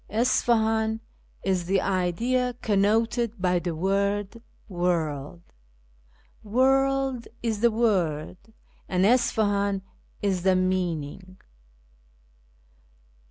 Isfahan is the idea connoted by the word ' world ';' Workl' is the word, and Isfahan is the meaning."